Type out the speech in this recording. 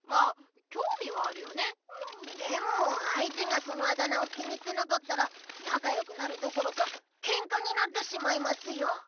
でもあいてがそのあだ名を気に入ってなかったらなかよくなるどころかケンカになってしまいますよ。